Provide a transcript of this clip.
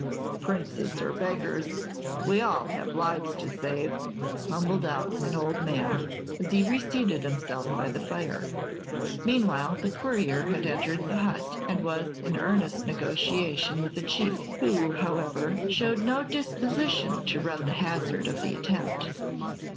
"Princes or beggars, we all have lives to save!" mumbled out an old man, as he reseated himself by the fire. Meanwhile the courier had entered the hut, and was in earnest negotiation with the chief, who, however, showed no disposition to run the hazard of the attempt.